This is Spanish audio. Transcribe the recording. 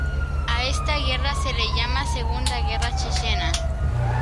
A esta guerra se la llama Segunda Guerra Chechena.